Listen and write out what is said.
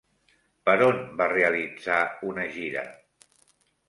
Per on va realitzar una gira?